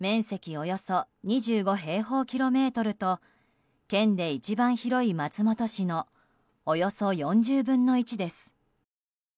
およそ２５平方キロメートルと県で一番広い松本市のおよそ４０分の１です。